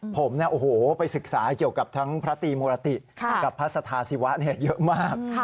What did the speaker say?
ผมไปศึกษาเกี่ยวกับทั้งพระตีมุรติกับพระสถาศิวะเยอะมาก